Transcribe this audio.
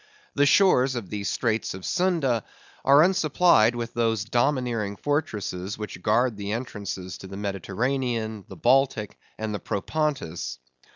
The shores of the Straits of Sunda are unsupplied with those domineering fortresses which guard the entrances to the Mediterranean, the Baltic, and the Propontis.